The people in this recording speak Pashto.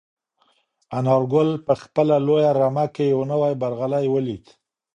انارګل په خپله لویه رمه کې یو نوی برغلی ولید.